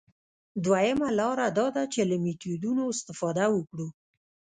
دویمه لاره دا ده چې له میتودونو استفاده وکړو.